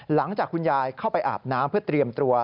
หลังจากคุณยายเข้าไปอาบน้ำเพื่อเตรียมตัว